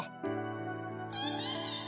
ピピピヒ。